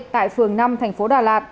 tại phường năm tp đà lạt